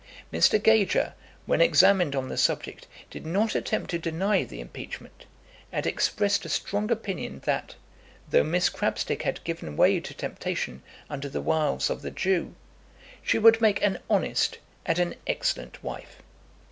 Mr. Gager, when examined on the subject, did not attempt to deny the impeachment, and expressed a strong opinion that, though Miss Crabstick had given way to temptation under the wiles of the Jew, she would make an honest and an excellent wife.